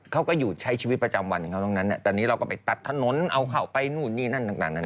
เขาก็อยู่ใช้ชีวิตประจำวันของเขาตรงนั้นแต่นี้เราก็ไปตัดถนนเอาเข้าไปนู่นนี่นั่นต่างนานา